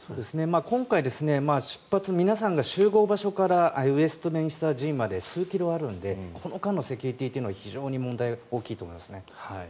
今回、出発皆さんが集合場所からウェストミンスター寺院まで数キロあるんでこの間のセキュリティーというのは非常に問題が多いと思いますね。